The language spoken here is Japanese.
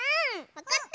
わかった！